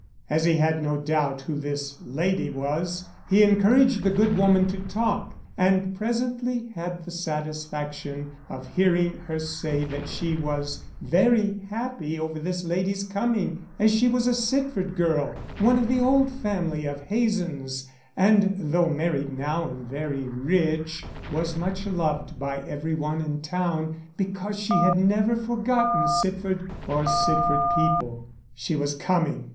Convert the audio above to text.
As he had no doubt who this lady was, he encouraged the good woman to talk, and presently had the satisfaction of hearing her say that she was very happy over this lady's coming, as she was a Sitford girl, one of the old family of Hazens, and though married now and very rich was much loved by every one in town because she had never forgotten Sitford or Sitford people. She was coming!